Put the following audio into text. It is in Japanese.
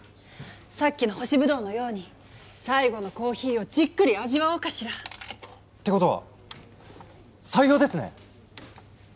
さっきの干しブドウのように最後のコーヒーをじっくり味わおうかしら。ってことは採用ですね？